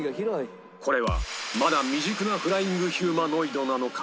これはまだ未熟なフライングヒューマノイドなのか？